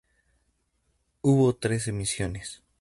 Hubo tres emisiones.